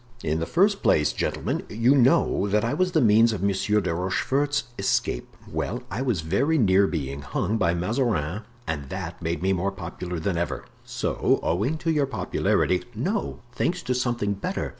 "In the first place, gentlemen, you know that I was the means of Monsieur de Rochefort's escape; well, I was very near being hung by Mazarin and that made me more popular than ever." "So, owing to your popularity——" "No; thanks to something better.